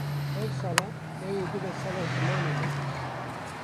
Ev sala ew ê bibe sala zimanê me.